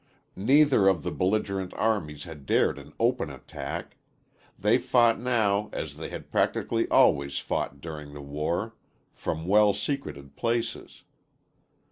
Neither of the belligerent armies had dared an open attack. They fought now as they had practically always fought during the war from well secreted places.